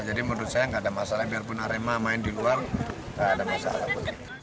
jadi menurut saya tidak ada masalah biarpun arema main di luar tidak ada masalah